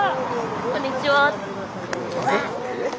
「こんにちは」って。